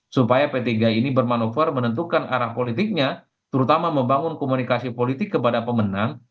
supaya p tiga ini bermanuver menentukan arah politiknya terutama membangun komunikasi politik kepada pemenang